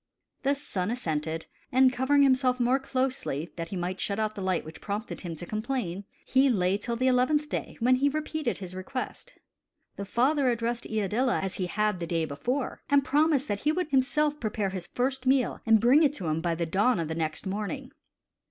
The son assented; and covering himself more closely, that he might shut out the light which prompted him to complain, he lay till the eleventh day, when he repeated his request. The father addressed Iadilla as he had the day before, and promised that he would himself prepare his first meal and bring it to him by the dawn of the next morning.